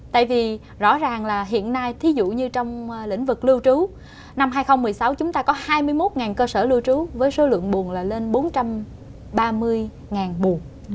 tại vì rõ ràng là hiện nay thí dụ như trong lĩnh vực lưu trú năm hai nghìn một mươi sáu chúng ta có hai mươi một cơ sở lưu trú với số lượng buồn là lên bốn trăm ba mươi buồn